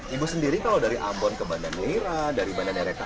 ibu sendiri kalau dari ambon ke banda neira dari banda nereta